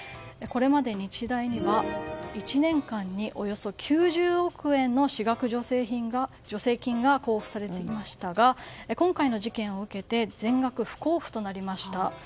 これまで日大には１年間におよそ９０億円の私学助成金が交付されていましたが今回の事件を受けて全額不交付となりました。